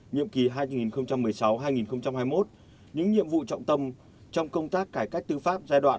nhiệm kỳ hai nghìn một mươi sáu hai nghìn hai mươi một những nhiệm vụ trọng tâm trong công tác cải cách tư pháp giai đoạn hai nghìn hai mươi hai nghìn hai mươi